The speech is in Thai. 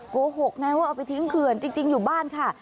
โกหกไงว่าเอาไปทิ้งเขื่อนจริงอยู่บ้านค่ะ